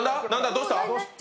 どうした？